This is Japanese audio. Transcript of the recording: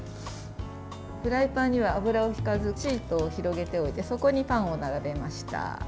フライパンには油をひかずシートを広げておいてそこにパンを並べました。